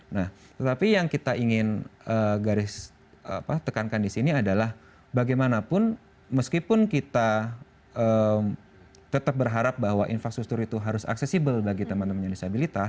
nah tetapi yang kita ingin garis tekankan di sini adalah bagaimanapun meskipun kita tetap berharap bahwa infrastruktur itu harus aksesibel bagi teman temannya disabilitas